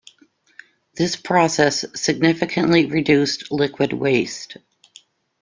This process significantly reduced liquid waste.